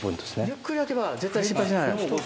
ゆっくり焼けば絶対失敗しない。